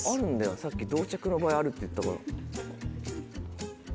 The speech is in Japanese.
さっき同着の場合あるって言ってたから。